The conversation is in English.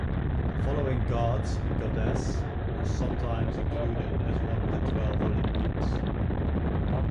The following gods and goddess are sometimes included as one of the twelve Olympians.